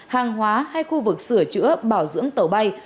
hàng hóa hay khu vực sửa chữa bảo dưỡng tàu bay